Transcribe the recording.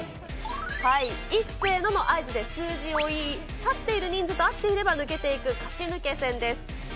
いっせーのの合図で数字を言い、立っている人数と合っていれば抜けていく勝ち抜け戦です。